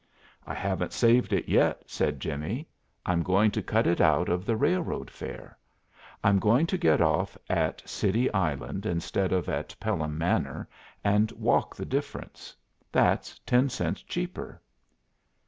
"I haven't saved it yet," said Jimmie. "I'm going to cut it out of the railroad fare. I'm going to get off at City Island instead of at Pelham Manor and walk the difference. That's ten cents cheaper."